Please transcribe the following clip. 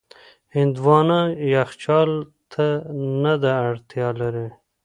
هندوانه یخچال ته نه ده اړتیا لري.